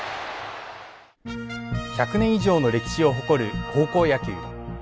１００年以上の歴史を誇る高校野球。